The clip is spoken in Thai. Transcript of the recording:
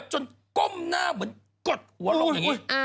ก้มหน้าเหมือนกดหัวลงอย่างนี้